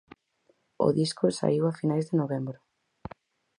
O disco saíu a finais de novembro.